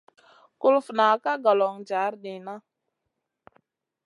Kulufna ka golon jar niyna.